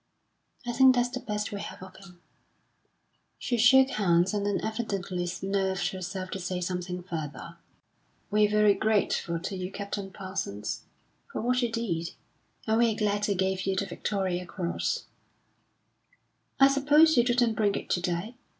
"I think that's the best we have of him." She shook hands, and then evidently nerved herself to say something further. "We're very grateful to you, Captain Parsons, for what you did. And we're glad they gave you the Victoria Cross." "I suppose you didn't bring it to day?"